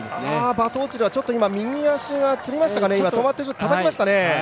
バトオチル、右足がつりましたからね、ちょっと止まって足をたたきましたね。